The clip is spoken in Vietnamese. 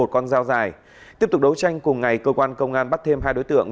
một con dao dài tiếp tục đấu tranh cùng ngày cơ quan công an bắt thêm hai đối tượng